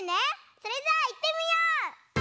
それじゃあいってみよう！